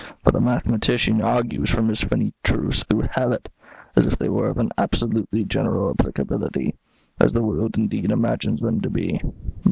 But the mathematician argues from his finite truths, through habit, as if they were of an absolutely general applicability, as the world indeed imagines them to be.